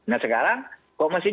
nah sekarang kok masih